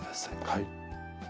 はい。